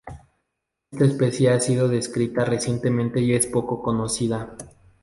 Esta especie ha sido descrita recientemente y es poco conocida.